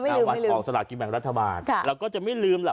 ไม่ลืมไม่ลืมอ่าวันของสถานกิจแบบรัฐบาลค่ะแล้วก็จะไม่ลืมแหละ